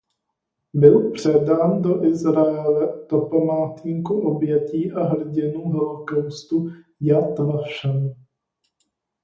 Byl předán do Izraele do památníku obětí a hrdinů holokaustu Jad Vašem.